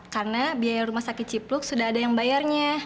karena biaya rumah sakit cipluk sudah ada yang bayarnya